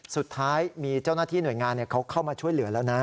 สุดท้ายมีเจ้าหน้าที่หน่วยงานเขาเข้ามาช่วยเหลือแล้วนะ